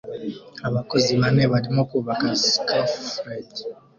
abakozi bane barimo kubaka scafold